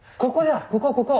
ここここ。